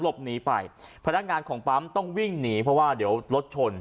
หลบหนีไปพนักงานของปั๊มต้องวิ่งหนีเพราะว่าเดี๋ยวรถชน